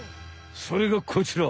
それがこちら。